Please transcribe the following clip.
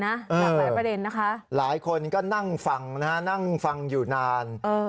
หลากหลายประเด็นนะคะหลายคนก็นั่งฟังนะฮะนั่งฟังอยู่นาน